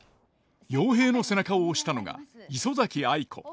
陽平の背中を押したのが磯崎藍子。